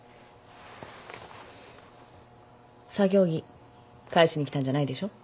作業着返しに来たんじゃないでしょ。